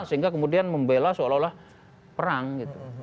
sehingga kemudian membela seolah olah perang gitu